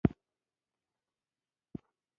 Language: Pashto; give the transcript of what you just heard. ایا زه باید شامپو وکاروم؟